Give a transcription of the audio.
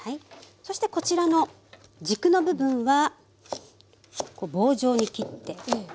そしてこちらの軸の部分はこう棒状に切って。